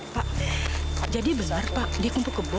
pak jadi benar pak dia kumpul kebo